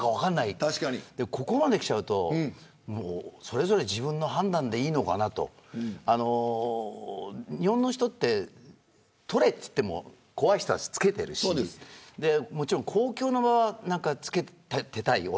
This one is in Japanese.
でも、ここまできちゃうとそれぞれ自分の判断でいいのかなと日本の人って取れっていっても怖い人は着けてるしもちろん公共の場は着けていたいよ